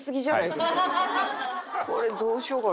これどうしようかな。